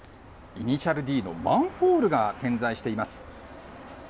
頭文字Ｄのマンホールが点在しています。